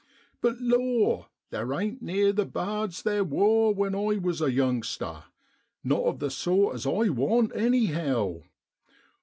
But law! theer ain't neer the bards theer wor when I was a youngster, not of the sort as I want, anyhow.